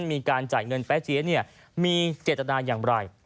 มีการจ่ายเงินแป๊เจี๊ยมีเจตนาอย่างไร